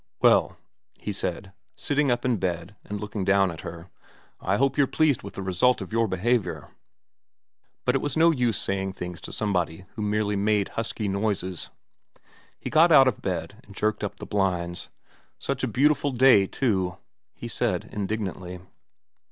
* Well,' he said, sitting up in bed and looking down at her, ' I hope you're pleased with the result of your behaviour.' But it was no use saying things to somebody who merely made husky noises. VERA 285 He got out of bed and jerked up the blinds. * Such a beautiful day, too/ he said indignantly.